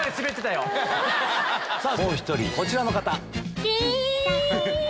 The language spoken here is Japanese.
もう１人こちらの方。